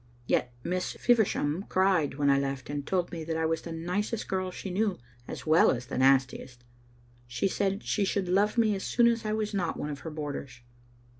Yet Miss Feversham cried when I left, and told me that I was the nicest girl she knew, as well as the nastiest. She said she should love me as soon as I was not one of her boarders."